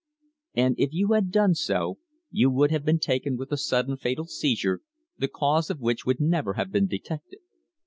"And if you had done so you would have been taken with a sudden fatal seizure, the cause of which would never have been detected."